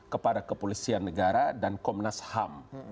kepada kepolisian negara dan komnas ham